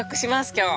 今日。